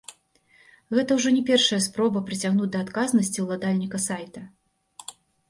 Гэта ўжо не першая спроба прыцягнуць да адказнасці ўладальніка сайта.